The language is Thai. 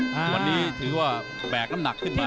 วันนี้ถือว่าแบกน้ำหนักขึ้นมา